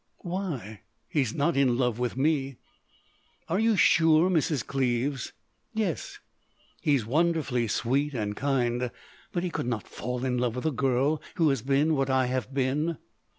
"Why? He is not in love with me." "Are you sure, Mrs. Cleves?" "Yes. He is wonderfully sweet and kind. But he could not fall in love with a girl who has been what I have been."